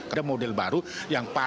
ada model baru yang